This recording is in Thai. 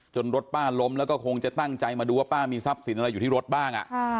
รถป้าล้มแล้วก็คงจะตั้งใจมาดูว่าป้ามีทรัพย์สินอะไรอยู่ที่รถบ้าง